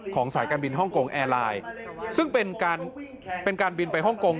ของสายการบินฮ่องกงแอร์ไลน์ซึ่งเป็นการบินไปฮ่องกง